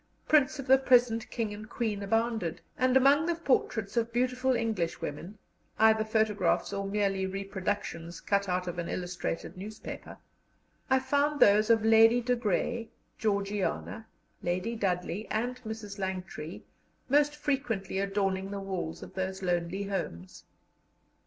Prints of the present King and Queen abounded, and among the portraits of beautiful Englishwomen, either photographs or merely reproductions cut out of an illustrated newspaper, I found those of Lady de Grey, Georgiana, Lady Dudley, and Mrs. Langtry, most frequently adorning the walls of those lonely homes.